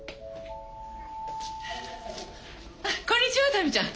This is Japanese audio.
あっこんにちは民ちゃん。